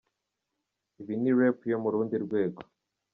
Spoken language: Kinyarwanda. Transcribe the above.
Ibi ni rape yo mu rundi rwego!